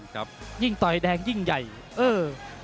ครับยิ่งต่อยแดงยิ่งใหญ่เออ